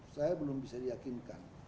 saya belum bisa diyakinkan